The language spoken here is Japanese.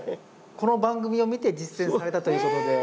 この番組を見て実践されたということで。